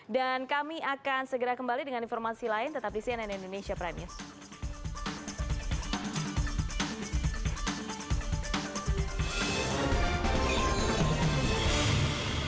dan kami akan segera kembali dengan informasi lain tetap di cnn indonesia prime news